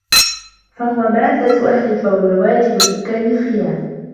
فَهُوَ مَادَّةُ أَهْلِ الْفَلَوَاتِ وَسُكَّانِ الْخِيَامِ